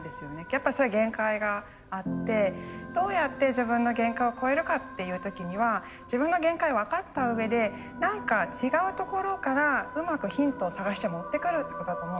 やっぱそれ限界があってどうやって自分の限界を超えるかっていう時には自分の限界を分かったうえで何か違うところからうまくヒントを探して持ってくるってことだと思うんです。